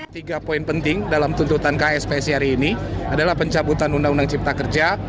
tiga poin penting dalam tuntutan kspsi hari ini adalah pencabutan undang undang cipta kerja